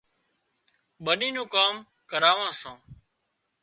ٻنِِي نُون ڪام ڪراوان سان